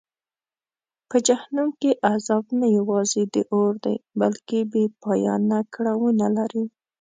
په جهنم کې عذاب نه یوازې د اور دی بلکه بېپایانه کړاوونه لري.